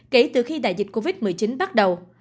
kể từ khi đại dịch covid một mươi chín bắt đầu